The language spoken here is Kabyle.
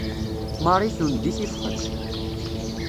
Marie tendi tifxet.